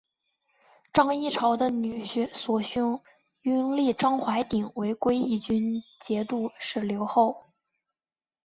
张议潮的女婿索勋拥立张淮鼎为归义军节度使留后。